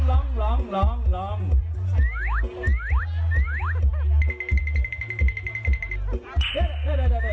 เดี๋ยว